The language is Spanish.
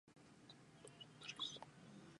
Estudia en la Universidad de Kyung Hee.